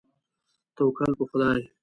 توکل په خدای.